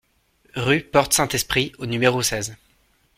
Rue Porte Saint-Esprit au numéro seize